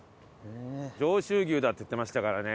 「上州牛だ」って言ってましたからね。